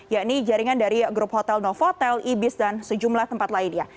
yakni jaringan dari grup hotel novotel ibis dan sejumlah tempat lainnya